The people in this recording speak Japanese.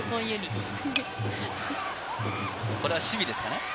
これは守備ですね。